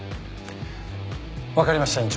わかりました院長。